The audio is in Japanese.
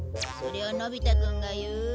それをのび太くんが言う？